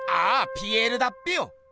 ピエールだっぺよ。